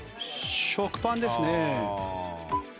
食パンですね。